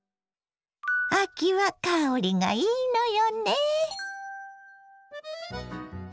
秋は香りがいいのよね。